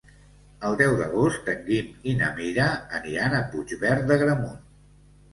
El deu d'agost en Guim i na Mira aniran a Puigverd d'Agramunt.